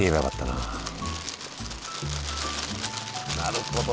なるほどね。